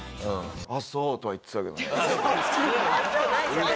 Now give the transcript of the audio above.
「あっそう」とは言ってたけどね。